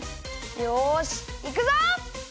よしいくぞ！